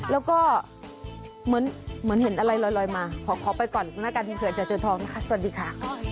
แล้วก็เหมือนเห็นอะไรลอยมาขอไปก่อนแล้วกันเผื่อจะเจอทองนะคะสวัสดีค่ะ